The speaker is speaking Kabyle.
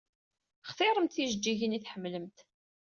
Xtiremt tijeǧǧigin i tḥemmlemt.